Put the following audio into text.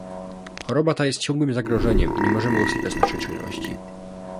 Choroba ta jest ciągłym zagrożeniem i nie możemy usypiać naszej czujności!